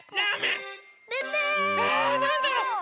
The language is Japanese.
えなんだろ？